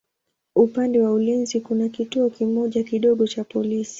Upande wa ulinzi kuna kituo kimoja kidogo cha polisi.